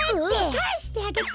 かえしてあげて！